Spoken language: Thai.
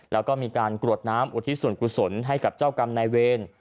แล้วก็มีการกรวดน้ำอุทิศส่วนกุศลให้กับเจ้ากรรมนายเวร